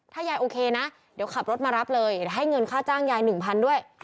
ถ้ายายโอเคนะเดี๋ยวขับรถมารับเลยให้เงินค่าจ้างยาย๑๐๐ด้วย